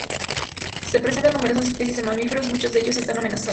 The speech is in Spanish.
Se presentan numerosas especies de mamíferos; muchos de ellos están amenazados.